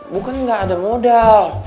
bukan nggak ada modal